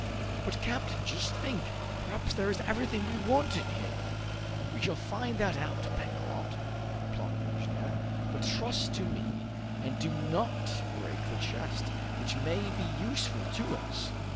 "But, captain, just think! Perhaps there is everything we want in there!" "We shall find that out, Pencroft," replied the engineer; "but trust to me, and do not break the chest, which may be useful to us.